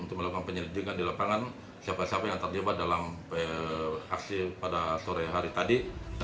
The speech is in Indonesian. dan penyelidikan di lapangan siapa siapa yang terlibat dalam aksi pada sore hari tadi